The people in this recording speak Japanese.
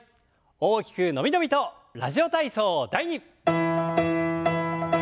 大きく伸び伸びと「ラジオ体操第２」。